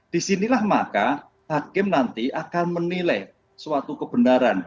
disinilah maka hakim nanti akan menilai suatu kebenaran